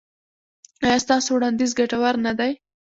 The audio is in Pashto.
ایا ستاسو وړاندیز ګټور نه دی؟